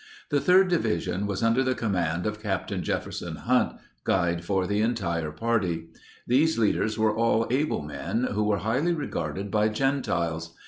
The third division was under the command of Captain Jefferson Hunt, guide for the entire party. These leaders were all able men who were highly regarded by gentiles.